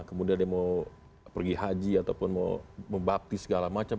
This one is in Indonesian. kemudian dia mau pergi haji ataupun mau membapti segala macam